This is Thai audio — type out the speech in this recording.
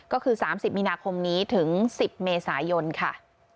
ก็คือ๓๐มีนาคมนี้ถึง๑๐เมษายนค่ะ